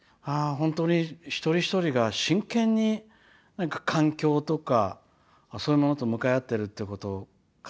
本当に一人一人が真剣に環境とかそういうものと向かい合ってるっていうことを感じましたね。